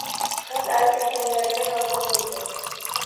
Qiz aytilganlarga rozi boʻldi